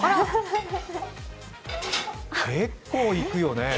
結構いくよね。